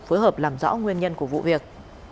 phối hợp làm rõ nguyên nhân của vụ việc